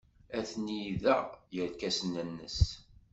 Atni da yerkasen-nnes.